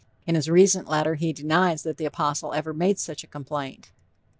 In his recent letter he denies that the apostle ever made such a complaint.